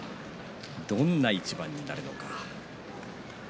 どんな一番になるのか。